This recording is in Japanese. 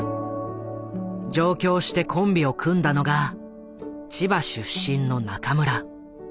上京してコンビを組んだのが千葉出身の中村。